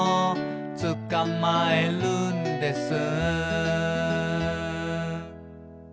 「つかまえるんです」